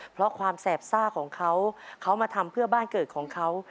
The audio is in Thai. เพราะความแสบซ่าของเขาเขามาทำเพื่อบ้านเกิดของเขา